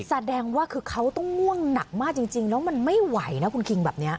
แสดงว่าคือเขาต้องง่วงหนักมากจริงแล้วมันไม่ไหวนะคุณคิงแบบนี้